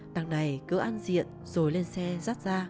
đằng này cứ ăn diện rồi lên xe rắt ra